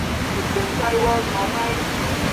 也是首批拥有研究生院的五所财经高校之一。